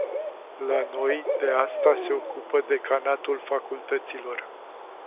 La noi de asta se ocupă decanatul facultăților.